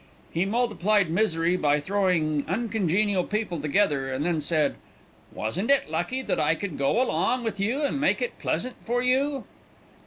He multiplied misery by throwing uncongenial people together and then said: 'Wasn't it lucky that I could go along with you and make it pleasant for you?'